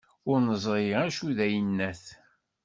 Ur nezṛi acu i d ayennat.